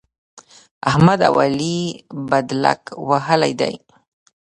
احمد او علي بدلک وهلی دی.